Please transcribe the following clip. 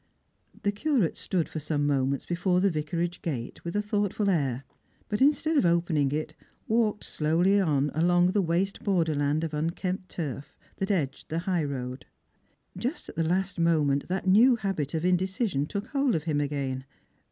The Curate stood for some moments before the Vicarage gate with a thoughtful air, but instead of opening it, walked slowly on along the waste border land of unkempt turf that edged the high road. Just at the last moment that new habit of indecision took hold of him again.